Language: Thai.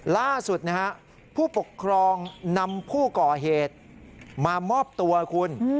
ล่าสุดนะฮะผู้ปกครองนำผู้ก่อเหตุมามอบตัวคุณ